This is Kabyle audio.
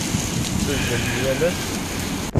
Tettazzalem yal ass?